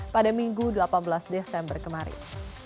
pada minggu delapan belas desember kemarin